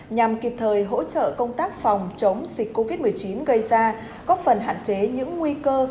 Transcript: nhằm kịp thời hỗ trợ công tác phòng chống dịch covid một mươi chín gây ra góp phần hạn chế những nguy cơ